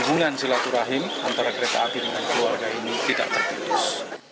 hubungan silaturahim antara kereta api dengan keluarga ini tidak terputus